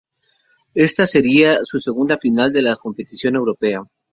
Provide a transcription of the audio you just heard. Ésta sería su segunda final de la segunda competición europea.